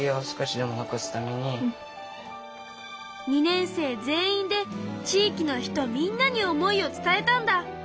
２年生全員で地域の人みんなに思いを伝えたんだ。